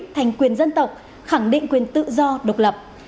thành quyền dân tộc khẳng định quyền tự do độc lập